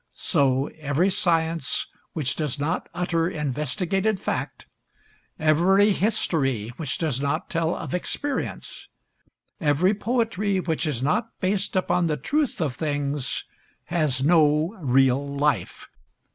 So every science which does not utter investigated fact, every history which does not tell of experience, every poetry which is not based upon the truth of things, has no real life.